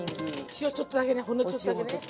塩ちょっとだけねほんのちょっとだけね。